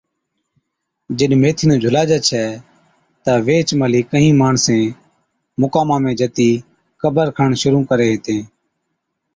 جِڏ ميٿِي نُون جھُلاجَي ڇَي تہ ويھِچ مھلِي ڪھِين ماڻسين مُقاما ۾ جتِي قبر کڻڻ شرُوع ڪري ھِتين